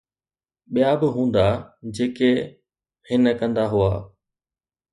ٻيا به هوندا، جيڪي هن ڪندا هئا